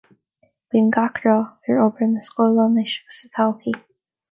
Guím gach rath ar obair na scoile anois agus sa todhchaí.